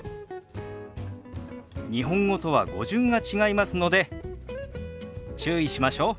日本語とは語順が違いますので注意しましょう。